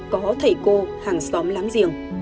có thầy cô hàng xóm láng giềng